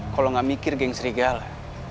kalo gak mikir geng serigala